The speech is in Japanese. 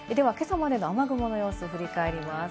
今朝までの雨雲の様子を振り返ります。